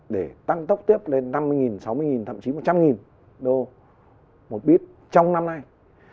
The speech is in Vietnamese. để tăng tốc tiếp lên năm mươi sáu mươi thậm chí một trăm linh đô một bit trong năm nay